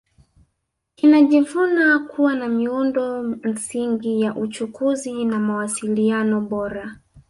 Kinajivuna kuwa na miundo msingi ya uchukuzi na mawasiliano bora